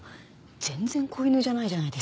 全然子犬じゃないじゃないですか。